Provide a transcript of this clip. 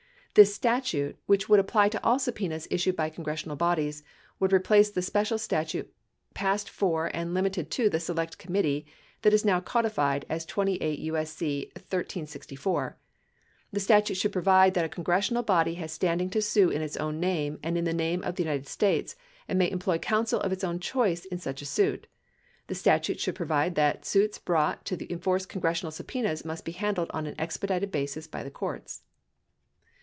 This statute, which would apply to all subpenas issued by congressional bodies, would replace the special statute passed for and limited to the Select Committee that is now codified as 28 U.S.C. 1364. The statute should provide that a congressional body has standing to sue in its own name and in the name of the United States and may employ counsel of its own choice in such a suit. The statute should provide that suits brought to enforce congressional subpenas must be handled on an expedited basis by the courts.